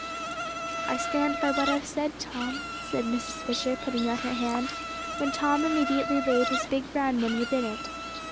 "I stand by what I've said, Tom," said Mrs. Fisher, putting out her hand, when Tom immediately laid his big brown one within it.